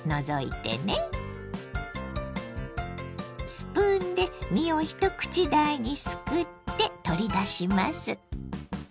スプーンで実を一口大にすくって取り出します。